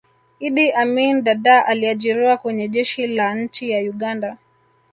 iddi amin dadaa aliajiriwa Kwenye jeshi la nchi ya uganda